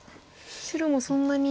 白もそんなに。